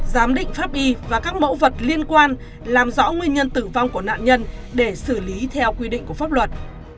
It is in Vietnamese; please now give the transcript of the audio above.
giám định pháp y và các mẫu vật liên quan làm rõ nguyên nhân tử vong của nạn nhân để xử lý theo quy định của pháp luật